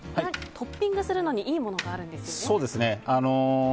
トッピングするのにいいものがあるんですよね？